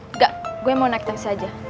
enggak gue mau naik tas aja